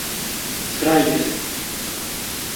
つらいです